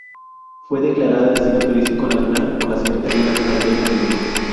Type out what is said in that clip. Fue declarada destino turístico nacional por la Secretaría Nacional de Turismo.